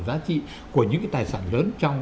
giá trị của những cái tài sản lớn trong